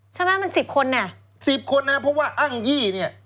ใช่ไหมมันสิบคนน่ะสิบคนนะเพราะว่าอ้างยี่เนี่ย